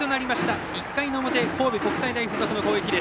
１回の表、神戸国際大付属の攻撃。